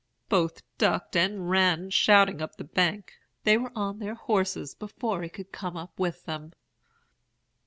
Both ducked, and ran shouting up the bank. They were on their horses before he could come up with them.